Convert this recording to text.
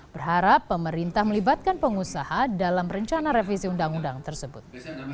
berharap pemerintah melibatkan pengusaha dalam rencana revisi undang undang tersebut